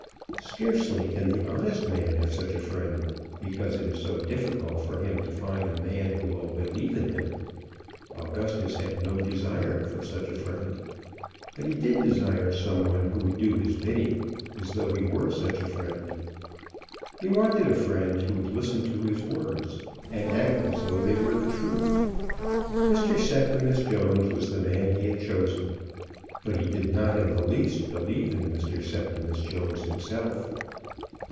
Scarcely can the honest man have such a friend, because it is so difficult for him to find a man who will believe in him. Augustus had no desire for such a friend, but he did desire some one who would do his bidding as though he were such a friend. He wanted a friend who would listen to his words, and act as though they were the truth. Mr. Septimus Jones was the man he had chosen, but he did not in the least believe in Mr. Septimus Jones himself.